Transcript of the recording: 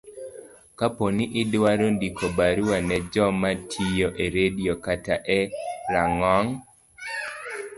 Kapo ni idwaro ndiko barua ne joma tiyo e redio kata e rang'ong